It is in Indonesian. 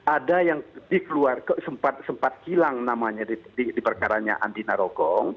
ada yang dikeluarkan sempat hilang namanya di perkaranya andina rogong